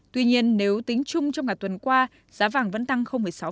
tuy nhiên nếu tính chung trong ngày tuần qua giá vàng vẫn tăng sáu